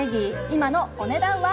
今のお値段は？